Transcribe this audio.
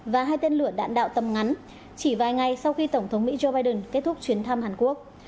và hai tên lửa đạn đạo tầm ngắn chỉ vài ngày sau khi tổng thống mỹ joe biden kết thúc chuyến thăm hàn quốc